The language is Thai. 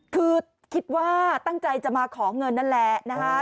คือคิดว่าตั้งใจจะมาขอเงินนั่นแหละนะคะ